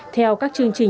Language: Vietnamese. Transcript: theo các chương trình